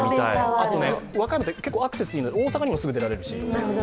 あと和歌山は結構アクセスがよくて大阪にもすぐ出られるし。